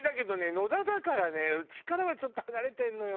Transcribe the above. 野田だからねうちからはちょっと離れてるのよ。